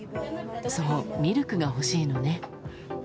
そう、ミルクが欲しいのね。